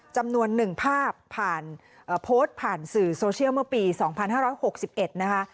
จำนวน๑ภาพผ่านโพสต์ผ่านสื่อโซเชียลเมื่อปี๒๕๖๑นะคะ